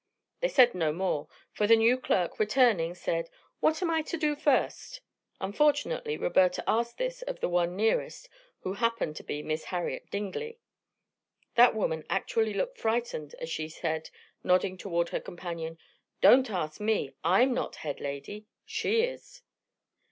They said no more, for the new clerk, returning, said, "What am I to do first?" Unfortunately Roberta asked this of the one nearest, who happened to be Miss Harriet Dingley. That woman actually looked frightened as she said, nodding toward her companion, "Don't ask me. I'm not head lady. She is."